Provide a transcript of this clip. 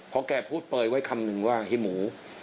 เพราะแกพูดเปลยไว้คำนึงว่าเฮหมู